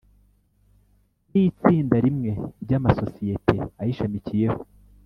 n‘itsinda rimwe ry’amasosiyete ayishamikiyeho